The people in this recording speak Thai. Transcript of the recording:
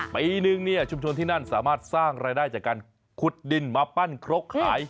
ปีนึงชุมชนที่นั่นสามารถสร้างรายได้จากการขุดดินมาปั้นครกขาย